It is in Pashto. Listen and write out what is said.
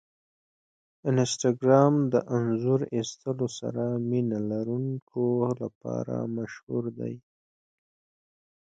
انسټاګرام د انځور ایستلو سره مینه لرونکو لپاره مشهور دی.